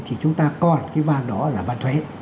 thì chúng ta còn cái van đó là van thuế